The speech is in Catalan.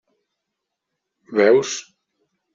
Veus.